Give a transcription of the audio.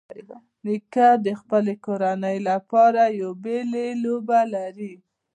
نیکه د خپلې کورنۍ لپاره یو بېلې لوبه لري.